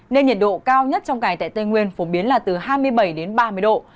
nên nhiệt độ cao nhất trong ngày tại tây nguyên phổ biến là từ hai mươi bảy đến ba mươi độ